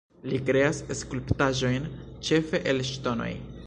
Li kreas skulptaĵojn ĉefe el ŝtonoj.